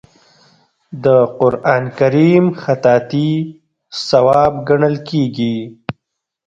د قران کریم خطاطي ثواب ګڼل کیږي.